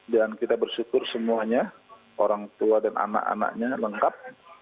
dan kita bersyukur semuanya orang tua dan anak anaknya lengkap